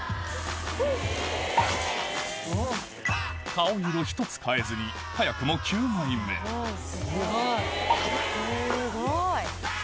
顔色ひとつ変えずに早くも９枚目すごい。